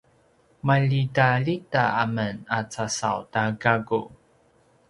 maljitaljita men a casaw ta gaku